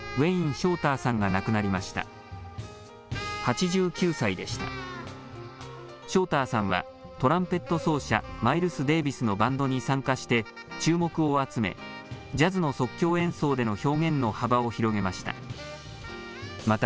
ショーターさんは、トランペット奏者、マイルス・デイビスのバンドに参加して、注目を集め、ジャズの即興演奏での表現の幅を広げました。